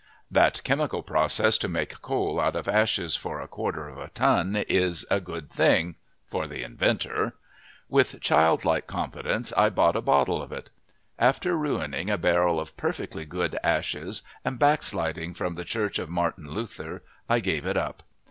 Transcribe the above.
That chemical process to make coal out of ashes for a quarter a ton is a good thing for the inventor. With childlike confidence I bought a bottle of it. After ruining a barrel of perfectly good ashes and backsliding from the church of Martin Luther I gave it up.